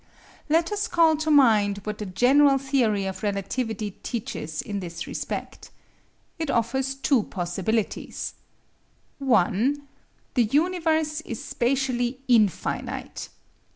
Let us call to mind what the general theory of relativity teaches in this respect. It offers two possibilities: 1. The universe is spatially infinite.